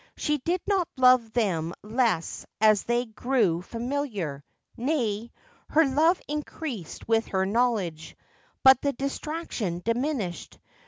She did not love them less as they grew familiar, nay, her love increased with her knowledge ; but the distraction diminished.